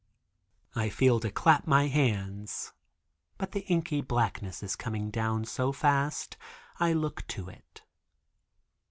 I feel to clap my hands, but the inky blackness is coming down so fast I look to it.